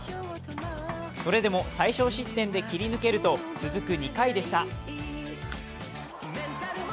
それでも最少失点で切り抜けると続く２回でした。